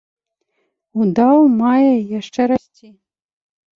Удаў мае яшчэ расці.